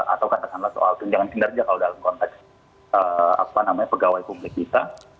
atau katakanlah soal pinjaman kinerja kalau dalam konteks apa namanya pegawai publik kita